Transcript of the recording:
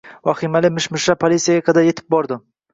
Vahimali mishmishlar polisiyaga qadar etib bordi